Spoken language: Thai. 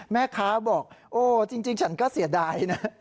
แม่ค้าบอกจริงฉันก็เสียใดนะ